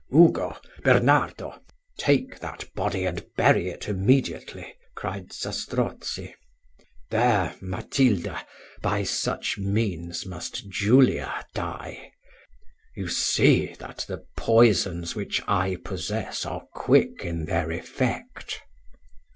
"Ugo! Bernardo! take that body and bury it immediately," cried Zastrozzi. "There, Matilda, by such means must Julia die: you see, that the poisons which I possess are quick in their effect."